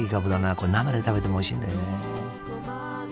これ生で食べてもおいしいんだよね。